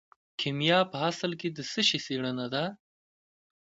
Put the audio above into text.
کیمیا په اصل کې د څه شي څیړنه ده.